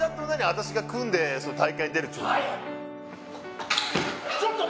私が組んで大会に出るっちゅうこと？